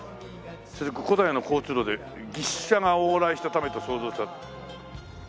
「古代の交通路で牛車が往来したためと想像される」。